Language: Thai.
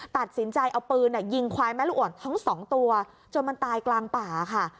ตัดสินใจเอาปืนยิงควายแม่ลูกอ่อนทั้งสองตัวจนมันตายกลางป่าค่ะ